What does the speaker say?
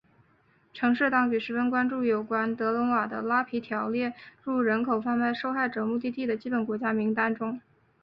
城市当局十分关注有关德瓦伦的拉皮条列入人口贩卖受害者目的地的基本国家名单中。